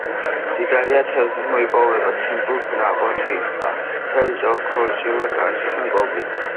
მდიდარია თევზით, მოიპოვება: ციმბირული ნაფოტა, წერი, ქორჭილა, კარჩხანა, კობრი.